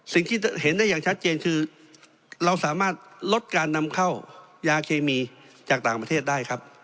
สิ่งที่เห็นได้อย่างชัดเจนคือเราสามารถลดการนำเข้ายาเคมีจากต่างประเทศได้ครับ